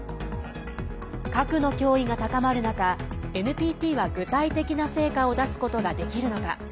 核の脅威が高まる中ＮＰＴは具体的な成果を出すことができるのか。